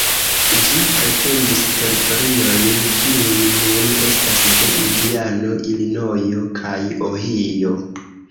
Ĝi pretendis teritoriojn, kiuj nun estas de Indiano, Ilinojo kaj Ohio.